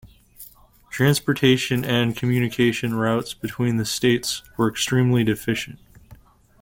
Transportation and communication routes between the states were extremely deficient.